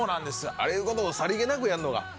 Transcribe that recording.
ああいうことをさりげなくやんのが。